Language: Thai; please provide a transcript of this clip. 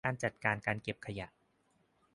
การจัดการการเก็บขยะ